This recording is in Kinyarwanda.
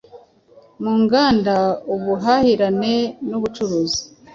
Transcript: mu nganda, ubuhahirane n’ubucuruzi.